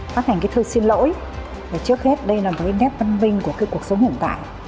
phát hành cái thư xin lỗi trước hết đây là một cái nét văn vinh của cái cuộc sống hiện tại